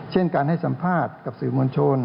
เช่นการให้สัมภาษณ์กับสื่อมวลชน